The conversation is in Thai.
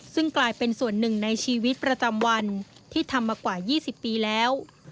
ซึ่งกลายเป็นส่วนหนึ่งในชีวิตประจำวันที่ทำมากว่า๒๐ปีแล้ว